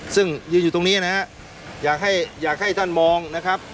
ซึ่งยืนอยู่ตรงนี้นะฮะอยากให้อยากให้ท่านมองนะครับ